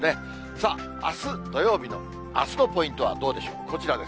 さあ、あす土曜日の、あすのポイントはどうでしょう、こちらです。